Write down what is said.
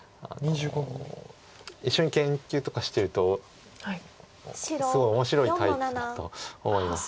一緒に研究とかしてるとすごい面白いタイプだと思います。